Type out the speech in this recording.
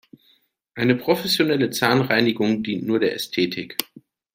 Eine professionelle Zahnreinigung dient nur der Ästhetik.